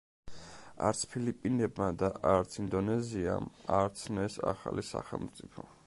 არც ფილიპინებმა და არც ინდონეზიამ არ ცნეს ახალი სახელმწიფო.